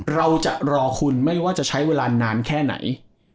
เราจะรอคุณไม่ว่าจะใช้เวลานานแค่ไหน